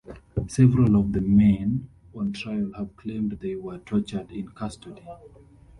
Several of the men on trial have claimed they were tortured in custody.